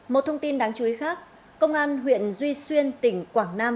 một thông tin đáng chú ý khác công an huyện duy xuyên tỉnh quảng nam